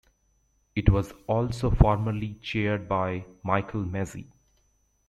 It was also formerly chaired by Mychal Massie.